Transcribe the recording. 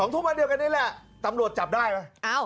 ทุ่มวันเดียวกันนี่แหละตำรวจจับได้ไหม